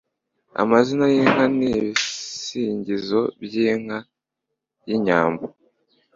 Amazina y'inka ni ibisingizo by'inka y'inyambo